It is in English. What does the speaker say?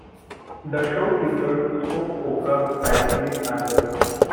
The show featured soap opera-style cliffhangers.